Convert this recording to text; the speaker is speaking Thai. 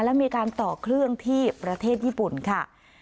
และมีการต่อเครื่องที่ประเทศญี่ปุ่นค่ะ